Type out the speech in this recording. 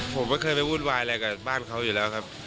ผมไม่เคยไปวุ่นวายอะไรกับบ้านเขาอยู่แล้วครับ